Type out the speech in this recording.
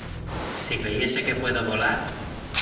Si creyese que puedo volar